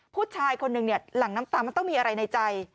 ผู้ชายคนหนึ่งเนี่ยหลังน้ำตามันต้องมีอะไรในใจ